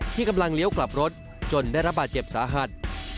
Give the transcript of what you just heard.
ที่กำลังเลี้ยวกลับรถจนได้รับบาดเจ็บสาหัส